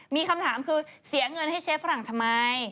มีคำถามคือเสียเงินให้เชฟฝรั่งทำไม